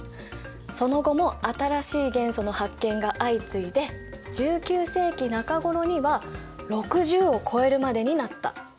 その後も新しい元素の発見が相次いで１９世紀中ごろには６０を超えるまでになった。